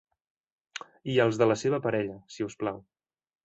I els de la seva parella, si us plau.